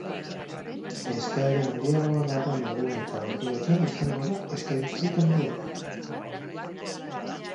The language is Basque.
Eskaera handiagoa dagoen egun eta orduetan izango da eskaintzarik handiena.